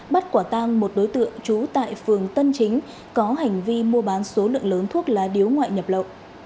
bắt quả tang một đối tượng trú tại phường tân chính có hành vi mua bán số lượng lớn thuốc lá điếu ngoại nhập lậu